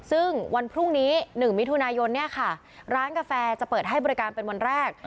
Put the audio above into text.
ซึ่งวันพรุ่งนี้๑มิถุนายนร้านกาแฟจะเปิดให้บริการเป็นวันแรก